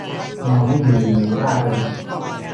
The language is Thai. แมวไม่อยู่หนูร่าเริง